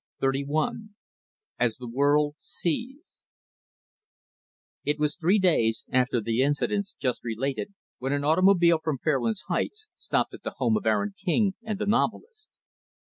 Chapter XXXI As the World Sees It was three days after the incidents just related when an automobile from Fairlands Heights stopped at the home of Aaron King and the novelist.